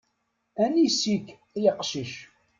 Anis-ik ay aqcic?